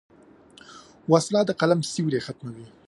وسله د قلم سیوری ختموي